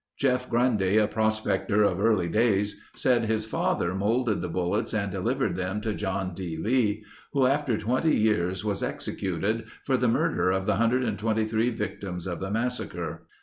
Jeff Grundy, a prospector of early days, said his father molded the bullets and delivered them to John D. Lee, who after 20 years was executed for the murder of the 123 victims of the massacre.